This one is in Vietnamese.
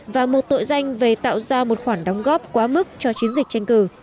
và một tội danh về tạo ra một khoản đóng góp quá mức cho chiến dịch tranh cử